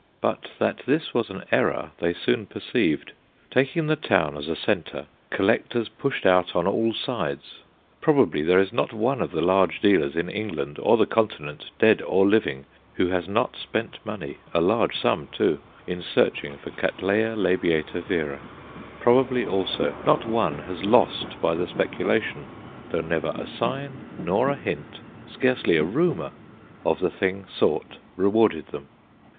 But that this was an error they soon perceived. Taking the town as a centre, collectors pushed out on all sides. Probably there is not one of the large dealers, in England or the Continent, dead or living, who has not spent money a large sum, too in searching for C. l. vera. Probably, also, not one has lost by the speculation, though never a sign nor a hint, scarcely a rumour, of the thing sought rewarded them.